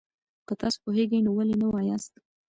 که تاسو پوهېږئ، نو ولې نه وایاست؟